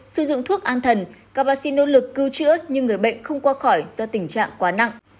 sử dụng thuốc an thần các bác sĩ nỗ lực cứu chữa nhưng người bệnh không qua khỏi do tình trạng quá nặng